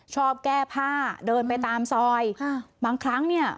ชอบแก้ผ้าเดินไปตามซอยค่ะบางครั้งเนี่ย